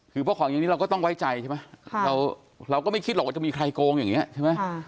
คือพวกของอย่างนี้เราก็ต้องไว้ใจใช่ไหมเราก็ไม่คิดหรอกว่าจะมีใครโกงอย่างนี้ใช่ไหม